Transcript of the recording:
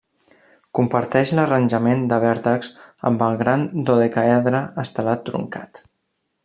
Comparteix l'arranjament de vèrtexs amb el gran dodecàedre estelat truncat.